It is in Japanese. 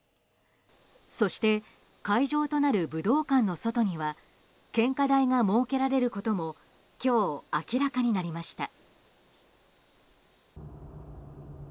そして、会場となる武道館の外には献花台が設けられることも今日、明らかになりました。